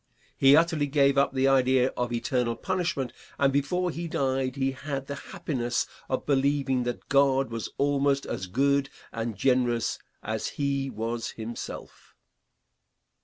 He utterly gave up the idea of eternal punishment, and before he died he had the happiness of believing that God was almost as good and generous as he was himself.